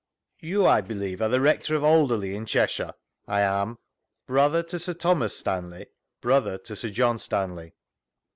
You, I believe, are the Rector of Alderley, in Cheshire? — I am. Brother to Sir Thomas Stanley ?— Brother to Sir John Stanley.